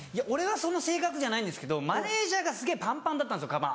俺はその性格じゃないんですけどマネジャーがすげぇパンパンだったんですよ